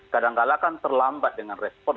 kadang kadang kan terlambat dengan respon